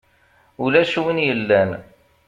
Ulac win yellan.